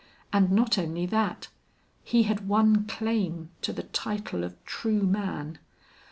And not only that; he had won claim to the title of true man.